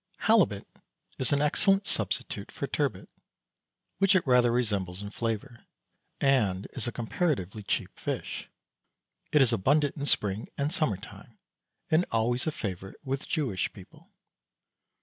Halibut is an excellent substitute for turbot, which it rather resembles in flavour, and is a comparatively cheap fish. It is abundant in spring and summertime, and always a favourite with Jewish people.